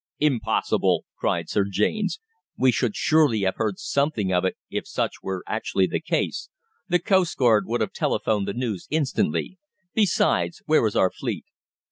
"Impossible!" cried Sir James. "We should surely have heard something of it if such were actually the case. The coastguard would have telephoned the news instantly. Besides, where is our fleet?"